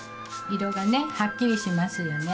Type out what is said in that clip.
色がねはっきりしますよね。